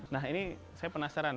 nah ini saya penasaran